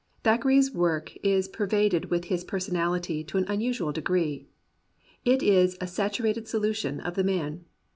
Thackeray's work is per vaded with his personality to an unusual degree. It is a saturated solution of the man.